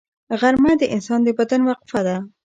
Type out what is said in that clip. غرمه د انسان د بدن وقفه ده